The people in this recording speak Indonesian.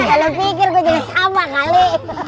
kalau pikir gue jadi sama kali